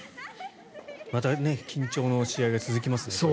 また緊張の試合が続きますね。